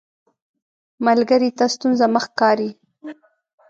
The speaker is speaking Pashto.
ملګری ته ستونزه مه ښکاري